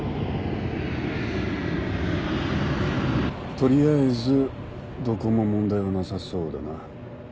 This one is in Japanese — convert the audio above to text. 取りあえずどこも問題はなさそうだな。